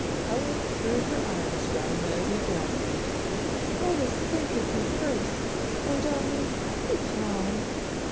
Helen threw her arms round Lady Davenant. "Let us think of you first, and only be calm."